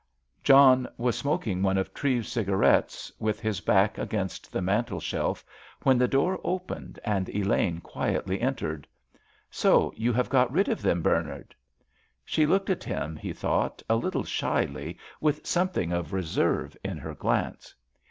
John was smoking one of Treves's cigarettes, with his back against the mantelshelf, when the door opened and Elaine quietly entered. "So you have got rid of them, Bernard?" She looked at him, he thought, a little shyly, with something of reserve in her glance.